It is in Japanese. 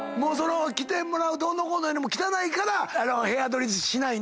来てもらうどうのこうのよりも汚いから部屋撮りしないんだ。